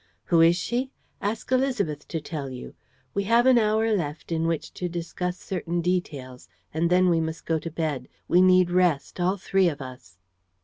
"Who is she? Ask Élisabeth to tell you. We have an hour left in which to discuss certain details and then we must go to bed. We need rest, all three of us."